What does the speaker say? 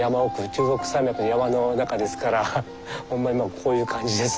中国山脈の山の中ですからほんまにこういう感じです。